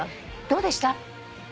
「どうでした？」